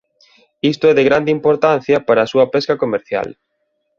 Isto é de grande importancia para a súa pesca comercial.